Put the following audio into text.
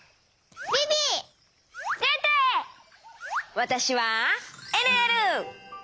わたしはえるえる！